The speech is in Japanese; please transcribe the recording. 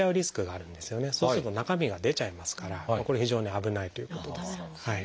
そうすると中身が出ちゃいますからこれ非常に危ないということです。